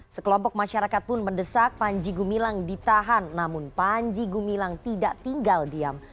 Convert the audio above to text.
sekelompok masyarakat pun mendesak panji gumilang ditahan namun panji gumilang tidak tinggal diam